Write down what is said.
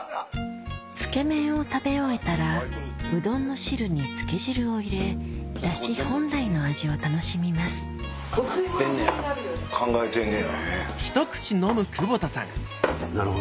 つけ麺を食べ終えたらうどんの汁につけ汁を入れダシ本来の味を楽しみますお吸いものになるよう。